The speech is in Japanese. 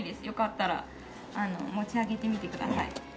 よかったら持ち上げてみてください。